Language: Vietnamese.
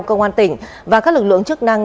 công an tỉnh và các lực lượng chức năng